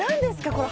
これ。